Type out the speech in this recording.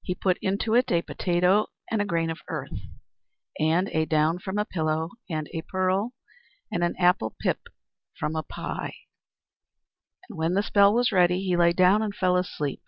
He put into it a potato, and a grain of earth, and a down from a pillow, and a pearl, and an apple pip from a pie. And when the spell was ready, he lay down, and fell asleep.